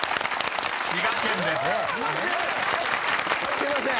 すいません！